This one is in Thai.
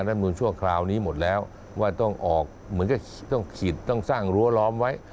นุนชั่วคราวนี้หมดแล้วว่าต้องออกเหมือนกับต้องขีดต้องสร้างรั้วล้อมไว้